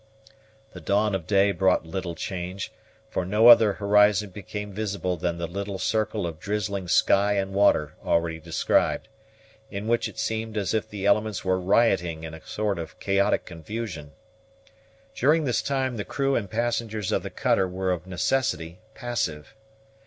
The dawn of day brought little change; for no other horizon became visible than the little circle of drizzling sky and water already described, in which it seemed as if the elements were rioting in a sort of chaotic confusion. During this time the crew and passengers of the cutter were of necessity passive.